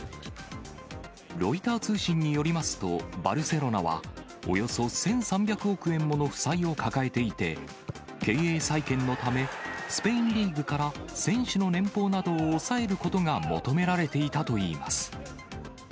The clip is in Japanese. ロイター通信によりますと、バルセロナは、およそ１３００億円もの負債を抱えていて、経営再建のため、スペインリーグから選手の年俸などを抑えることが求められていたといいます。